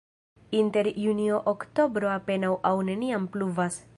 Inter junio-oktobro apenaŭ aŭ neniam pluvas.